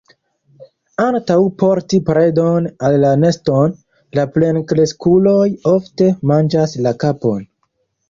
Antaŭ porti predon al la neston, la plenkreskuloj ofte manĝas la kapon.